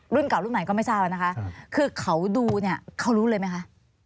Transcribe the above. รุ่นเก่ารุ่นไหนก็ไม่ทราบนะคะคือเขาดูเนี่ยเขารู้เลยไหมคะ